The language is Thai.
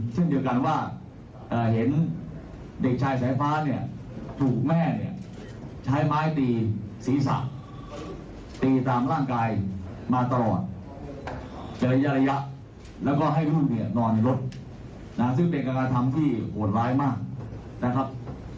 ที่ไปติดตามคดีหน่อยครับ